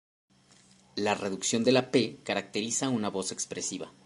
La reducción de la "p" caracteriza una voz expresiva.